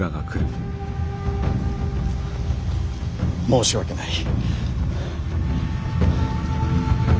申し訳ない。